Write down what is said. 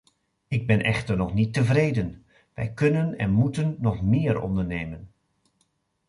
Ik ben echter nog niet tevreden - wij kunnen en moeten nog meer ondernemen.